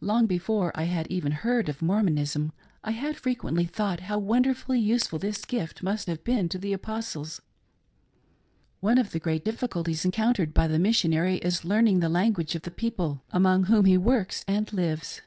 Long before I had even heard of Mormonism, I had frequently thought how wonderfully useful this gift must have been to the. Apostles. One of the great difficulties encountered by the missionary is learning the language of the people among whottt A MODERN ORACLE, 6/ he works and lives.